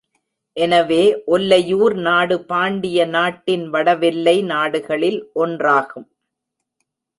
எனவே ஒல்லையூர் நாடு பாண்டிய நாட்டின் வடவெல்லை நாடுகளில் ஒன்றாகும்.